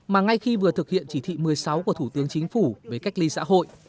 mà ngay khi vừa thực hiện chỉ thị một mươi sáu của thủ tướng chính phủ về cách ly xã hội